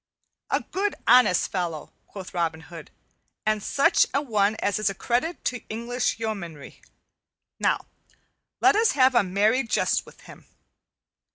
"A good honest fellow," quoth Robin Hood, "and such an one as is a credit to English yeomanrie. Now let us have a merry jest with him.